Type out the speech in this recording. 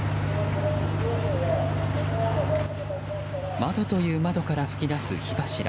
窓という窓から噴き出す火柱。